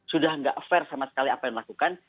sudah tidak fair sama sekali apa yang dilakukan